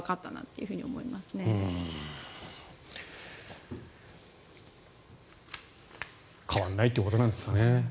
急には変わらないということなんですかね。